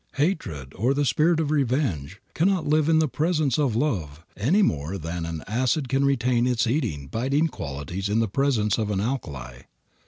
Hatred or the spirit of revenge cannot live in the presence of love any more than an acid can retain its eating, biting qualities in the presence of an alkali.